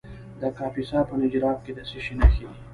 د کاپیسا په نجراب کې د څه شي نښې دي؟